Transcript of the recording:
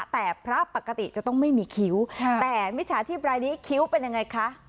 แต่พระปกติจะต้องไม่มีคิ้วแต่มิจฉาชีพรายนี้คิ้วเป็นยังไงคะ